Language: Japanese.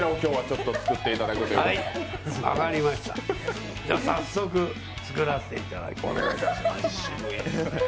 では、早速作らせていただきます。